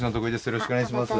よろしくお願いします。